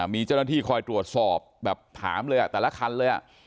มีเจ้าหน้าที่คอยตรวจสอบแบบถามเลยแต่ละคันเลย